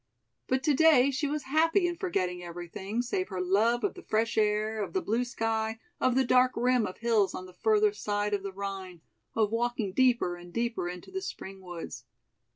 But today she was happy in forgetting everything save her love of the fresh air, of the blue sky, of the dark rim of hills on the further side of the Rhine, of walking deeper and deeper into the spring woods.